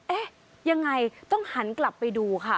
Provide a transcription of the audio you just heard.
เอ๊ะยังไงต้องหันกลับไปดูค่ะ